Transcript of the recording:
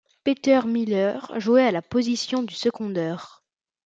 Peter Miller jouait à la position de secondeur.